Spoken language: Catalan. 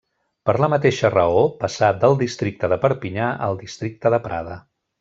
Per la mateixa raó passà del districte de Perpinyà al districte de Prada.